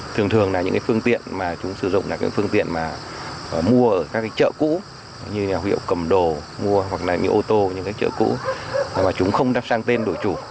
thường thường là những cái phương tiện mà chúng sử dụng là phương tiện mà mua ở các chợ cũ như là hiệu cầm đồ mua hoặc là những ô tô những cái chợ cũ hoặc là chúng không đáp sang tên đổi chủ